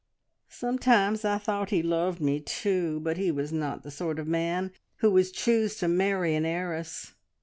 "Sometimes I thought he loved me too, but he was not the sort of man who would choose to marry an heiress.